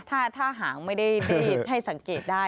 ถ้าหางไม่ได้ให้สังเกตได้